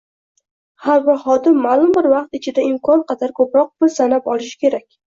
Har bir xodim maʼlum bir vaqt ichida imkon qadar koʻproq pul sanab olishi kerak.